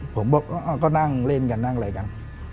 ผมบอกก็นั่งเล่นกันนั่งอะไรกัน